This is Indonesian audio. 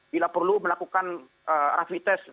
bila perlu melakukan rafi tes